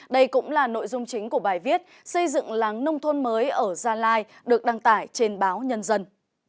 đây cũng là nội dung chính của bài viết xây dựng làng nông thôn mới ở gia lai được đăng tải trên báo nhân dân